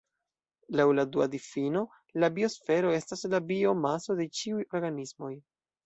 Laŭ la dua difino la biosfero estas la biomaso de ĉiuj organismoj.